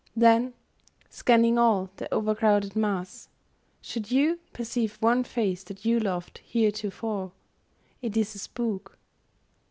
Then, scanning all the o'ercrowded mass, should you Perceive one face that you loved heretofore, It is a spook.